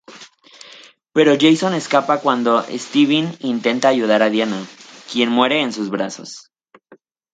Pero Jason escapa cuando Steven intenta ayudar a Diana, quien muere en sus brazos.